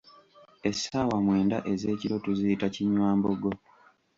Essaawa mwenda ez'ekiro tuziyita, "Kinywambogo"